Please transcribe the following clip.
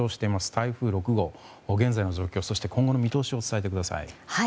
台風６号現在の状況そして今後の見通しを伝えてください。